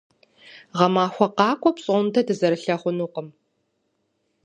Гъэмахуэ къакӏуэ пщӏондэ дызэрылъэгъунукъым.